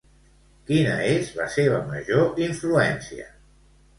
Quina és la seva major influència?